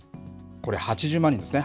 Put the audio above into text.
これ８０万人ですね。